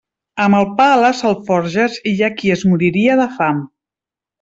Amb el pa a les alforges hi ha qui es moriria de fam.